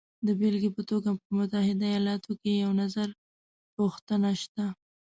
د بېلګې په توګه په متحده ایالاتو کې یو نظرپوښتنه شته